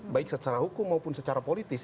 baik secara hukum maupun secara politis